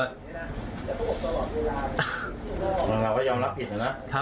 เราก็ยอมรับผิดหรือเปล่า